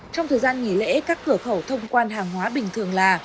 trong thời gian nghỉ lễ các cửa khẩu thông quan hàng hóa bình thường là